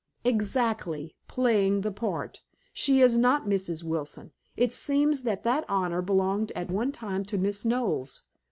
"Exactly. Playing the part. She is not Mrs. Wilson. It seems that that honor belonged at one time to Miss Knowles.